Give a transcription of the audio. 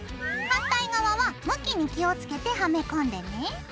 反対側は向きに気をつけてはめ込んでね。